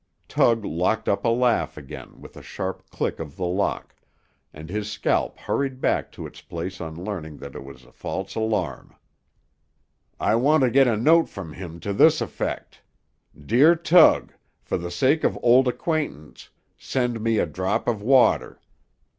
Tug locked up a laugh again with a sharp click of the lock, and his scalp hurried back to its place on learning that it was a false alarm. "I want to get a note from him to this effect: 'Dear Tug: For the sake of old acquaintance, send me a drop of water.'